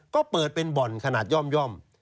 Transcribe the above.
ก็เปิดเป็นบ่อนขนาดย่อม